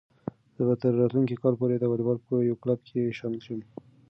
زه به تر راتلونکي کال پورې د واليبال په یو کلب کې شامل شم.